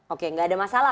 oke nggak ada masalah